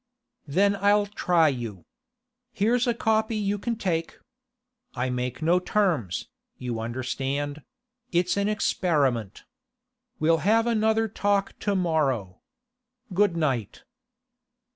'Then I'll try you. Here's a copy you can take. I make no terms, you understand; it's an experiment. We'll have another talk to morrow. Good night.